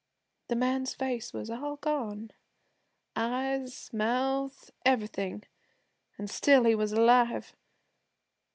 'The man's face was all gone, eyes, mouth, everything, an' still he was alive.